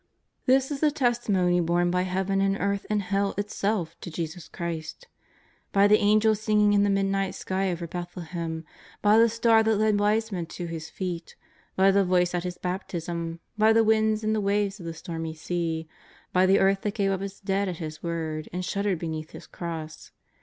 '' This is the testimony borne by Heaven and earth and Hell itself to Jesus Christ. By the Angels singing in the midnight sky over Bethlehem. By the star that led wise men to His feet. By the Voice at His Bap tism. By the winds and the waves of the stormy sea. By the earth that gave up its dead at His word and shuddered beneath His Cross.